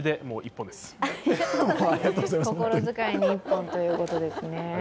心遣いに一本ということですね。